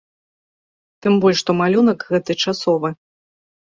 Тым больш, што малюнак гэты часовы.